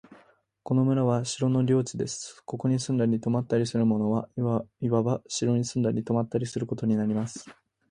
この村は城の領地です。ここに住んだり泊ったりする者は、いわば城に住んだり泊ったりすることになります。